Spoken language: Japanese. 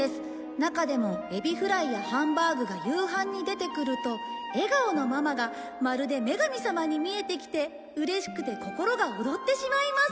「中でもエビフライやハンバーグが夕飯に出てくると笑顔のママがまるで女神さまに見えてきてうれしくて心が躍ってしまいます」